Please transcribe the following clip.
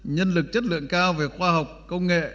nhân lực chất lượng cao về khoa học công nghệ